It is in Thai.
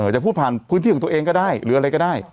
จะพูดผ่านพื้นที่ของตัวเองก็ได้หรืออะไรก็ได้